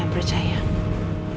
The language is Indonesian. dan kebetulan kejadian itu juga